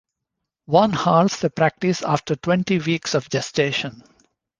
One halts the practice after twenty weeks of gestation.